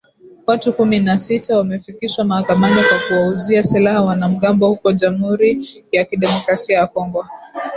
Watu kumi na sita wamefikishwa mahakamani kwa kuwauzia silaha wanamgambo huko Jamuhuri ya Kidemokrasia ya Kongo